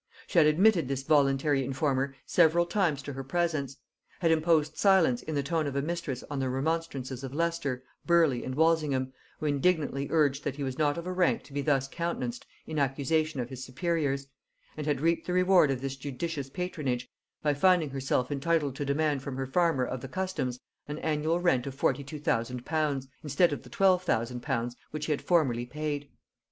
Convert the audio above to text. She had admitted this voluntary informer several times to her presence; had imposed silence in the tone of a mistress on the remonstrances of Leicester, Burleigh, and Walsingham, who indignantly urged that he was not of a rank to be thus countenanced in accusation of his superiors; and had reaped the reward of this judicious patronage, by finding herself entitled to demand from her farmer of the customs an annual rent of forty two thousand pounds, instead of the twelve thousand pounds which he had formerly paid.